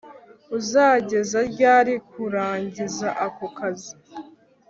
uzageza ryari kurangiza ako kazi